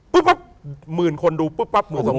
ปุ๊บหมื่นคนดูปุ๊บหมื่นสองคน